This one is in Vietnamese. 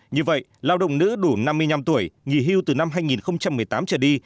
như vậy lao động nữ đủ năm mươi năm tuổi nghỉ hưu từ năm hai nghìn một mươi tám trở đi